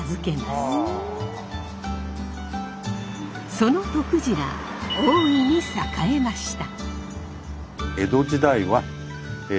そのとくじら大いに栄えました。